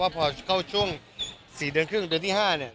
ว่าพอเข้าช่วงสี่เดือนครึ่งเดือนที่ห้าเนี่ย